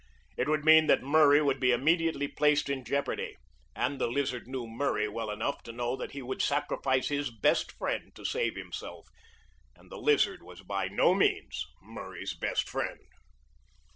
It would mean that Murray would be immediately placed in jeopardy, and the Lizard knew Murray well enough to know that he would sacrifice his best friend to save himself, and the Lizard was by no means Murray's best friend.